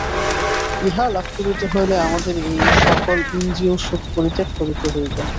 ইহা লাভ করিতে হইলে আমাদের এই-সকল ইন্দ্রিয়সুখ পরিত্যাগ করিতে হইবে।